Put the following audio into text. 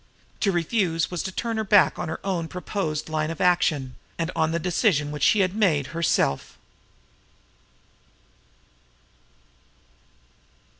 To refuse was to turn her back on her own proposed line of action, and on the decision which she had made herself.